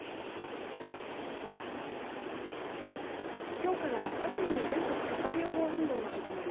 きょうから秋の全国火災予防運動が始まり